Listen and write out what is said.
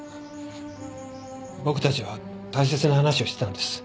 僕たちは大切な話をしてたんです。